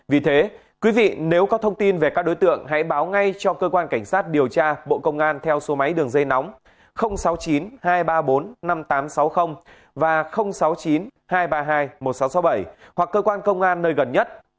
vì thế quý vị nếu có thông tin về các đối tượng hãy báo ngay cho cơ quan cảnh sát điều tra bộ công an theo số máy đường dây nóng sáu mươi chín hai trăm ba mươi bốn năm nghìn tám trăm sáu mươi và sáu mươi chín hai trăm ba mươi hai một nghìn sáu trăm sáu mươi bảy hoặc cơ quan công an nơi gần nhất